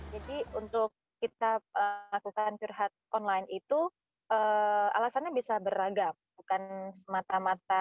jadi untuk kita melakukan curhat online itu alasannya bisa beragam bukan semata mata